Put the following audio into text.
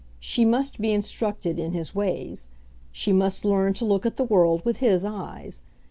She must be instructed in his ways. She must learn to look at the world with his eyes.